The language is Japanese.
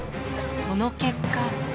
その結果。